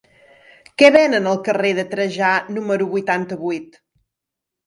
Què venen al carrer de Trajà número vuitanta-vuit?